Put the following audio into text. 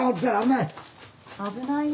危ないよ。